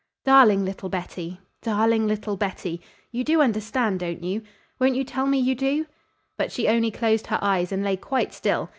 "Darling little Betty! Darling little Betty! You do understand, don't you? Won't you tell me you do?" But she only closed her eyes and lay quite still.